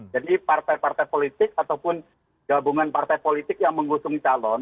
jadi partai partai politik ataupun gabungan partai politik yang mengusung calon